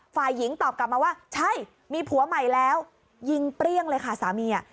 ฝ่ายหญิงตอบกลับมาว่าใช่มีผัวใหม่แล้วยิงเปรี้ยงเลยค่ะสามี